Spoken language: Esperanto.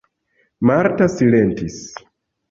Marta silentis.